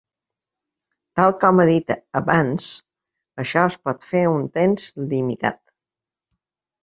Tal com he dit abans, això es pot fer un temps limitat.